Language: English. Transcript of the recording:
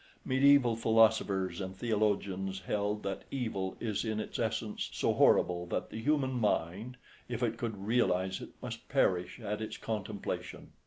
Medieval philosophers and theologians held that evil is in its essence so horrible that the human mind, if it could realise it, must perish at its contemplation.